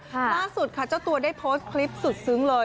ล่าสุดค่ะเจ้าตัวได้โพสต์คลิปสุดซึ้งเลย